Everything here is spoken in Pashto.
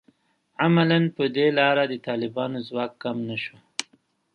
عملاً په دې لاره د طالبانو ځواک کم نه شو